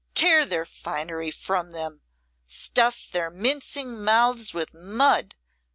Tear their finery from them! Stuff their mincing mouths with mud!"